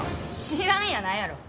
知らんやないやろ！